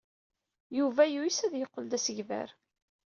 Yuba yuyes ad yeqqel d asegbar.